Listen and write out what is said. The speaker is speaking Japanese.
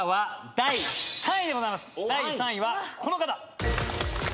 第３位はこの方。